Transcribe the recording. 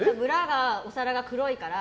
お皿が黒いから。